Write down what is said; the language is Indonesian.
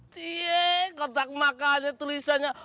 tiee kotak makanya tulisannya